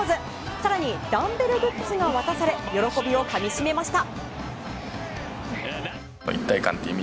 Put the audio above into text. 更にダンベルグッズが渡され喜びをかみしめました。